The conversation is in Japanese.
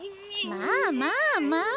まあまあまあ。